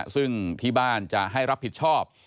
ซึ่งที่บ้านจะให้รับผิดชอบ